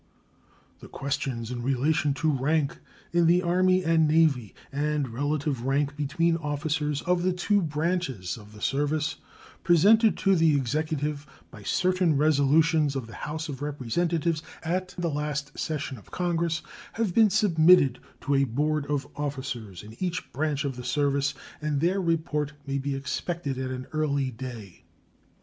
The questions in relation to rank in the Army and Navy and relative rank between officers of the two branches of the service, presented to the Executive by certain resolutions of the House of Representatives at the last session of Congress, have been submitted to a board of officers in each branch of the service, and their report may be expected at an early day.